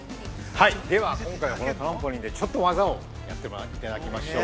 ◆はい、では今回はこのトランポリンでちょっと技をやっていただきましょう。